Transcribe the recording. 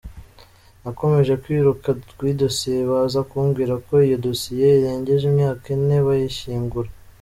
Nakomeje kwiruka kuri dosiye, baza kumbwira ko iyo dosiye irengeje imyaka ine bayishyingura.